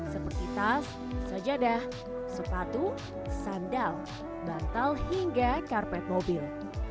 seperti tas sajadah sepatu sandal bantal hingga karpet mobil